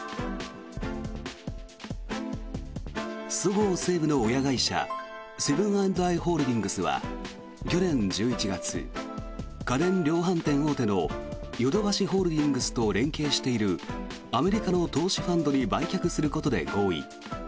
そごう・西武の親会社セブン＆アイ・ホールディングスは去年１１月、家電量販店大手のヨドバシホールディングスと連携しているアメリカの投資ファンドに売却することで合意。